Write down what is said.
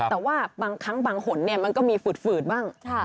แต่ว่าบางครั้งบางหนมันก็มีฝืดบ้าง